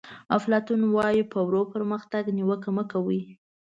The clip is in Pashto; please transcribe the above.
افلاطون وایي په ورو پرمختګ نیوکه مه کوئ.